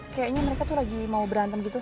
kayaknya mereka tuh lagi mau berantem gitu